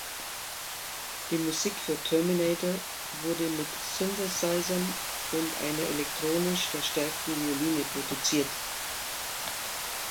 Die Musik für "Terminator" wurde mit Synthesizern und einer elektronisch verstärkten Violine produziert.